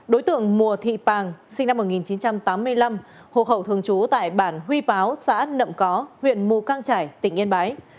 đối tượng mùa thị pàng sinh năm một nghìn chín trăm tám mươi năm hộ khẩu thường trú tại bản huy báo xã nậm có huyện mù căng trải tỉnh yên bái